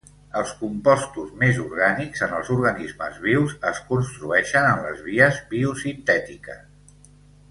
Els compostos més orgànics en els organismes vius es construeixen en les vies biosintètiques.